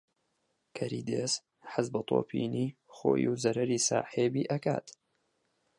کەری دێز حەز بە تۆپینی خۆی و زەرەری ساحێبی ئەکات